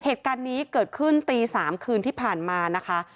เหตุการณ์นี้เกิดขึ้นตี๓คืนที่ผ่านมานะคะ